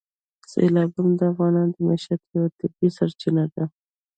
سیلابونه د افغانانو د معیشت یوه طبیعي سرچینه ده.